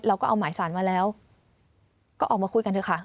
เราก็เอาหมายสารมาแล้วก็ออกมาคุยกันเถอะค่ะ